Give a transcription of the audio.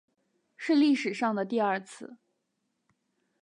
是历史上的第二次